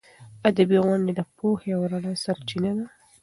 ادبي غونډې د پوهې او رڼا سرچینه ده.